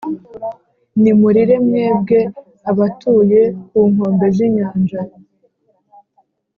nimurire mwebwe, abatuye ku nkombe z’inyanja!